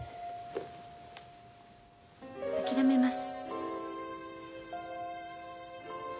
諦めます。